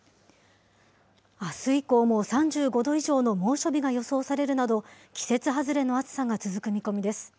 あす以降も３５度以上の猛暑日が予想されるなど、季節外れの暑さが続く見込みです。